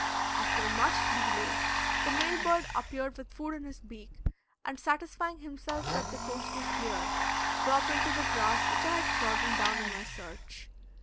After much delay, the male bird appeared with food in his beak, and satisfying himself that the coast was clear, dropped into the grass which I had trodden down in my search.